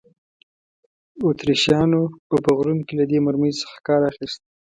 اتریشیانو به په غرونو کې له دې مرمۍ څخه کار اخیست.